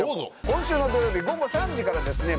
今週の土曜日午後３時からですね